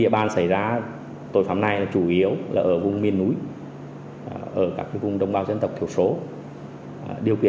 bộ phận cơ thể